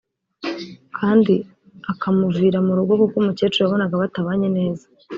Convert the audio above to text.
kandi akamuvira mu rugo kuko umukecuru yabonaga batabanye neza